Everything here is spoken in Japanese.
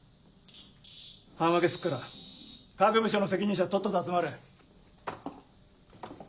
班分けすっから各部署の責任者とっとと集まれ。